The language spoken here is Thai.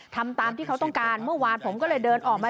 ทำตามที่เขาต้องการเมื่อวานผมก็เลยเดินออกมา